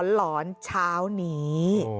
หลอนชาวนี้